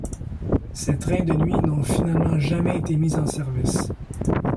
Ces trains de nuit n'ont finalement jamais été mis en service.